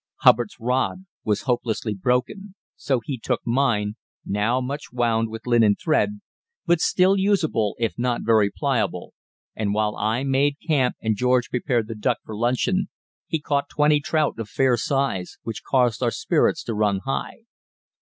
Hubbard's rod was hopelessly broken, so he took mine, now much wound with linen thread, but, still usable if not very pliable, and while I made camp and George prepared the duck for luncheon, he caught twenty trout of fair size, which caused our spirits to run high.